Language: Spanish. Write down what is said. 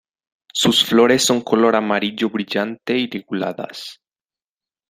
Sus flores son color amarillo brillante y liguladas.